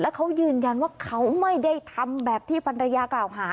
เขายืนยันว่าเขาไม่ได้ทำแบบที่ภรรยากล่าวหา